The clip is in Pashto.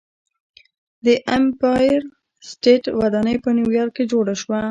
د ایمپایر سټیټ ودانۍ په نیویارک کې جوړه شوه.